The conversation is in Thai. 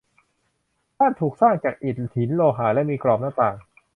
บ้านถูกสร้างจากอิฐ หิน โลหะ และมีกรอบหน้าต่าง